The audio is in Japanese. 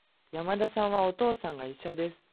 山田さんは、お父さんが医者です。